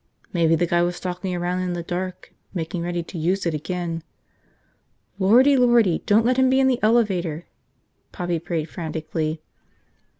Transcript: Maybe the guy was stalking around in the dark, making ready to use it again. ... "Lordy, lordy, don't let him be in the elevator!" Poppy prayed frantically.